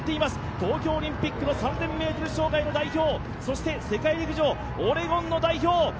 東京オリンピックの３０００ｍ障害の代表、そして世界陸上オレゴンの代表。